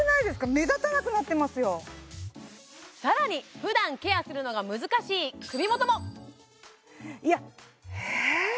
目立たなくなってますよさらにふだんケアするのが難しい首元もええ？